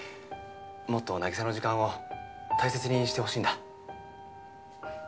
もっと凪沙の時間を大切にしてほしいんだ。